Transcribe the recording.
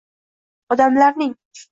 Odamlarning